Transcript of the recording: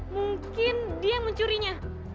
mungkin dia yang mencurinya